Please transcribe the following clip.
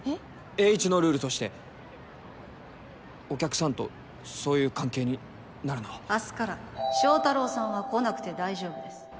エーイチのルールとしてお客さんとそういう関係になるのは明日から祥太郎さんは来なくて大丈夫です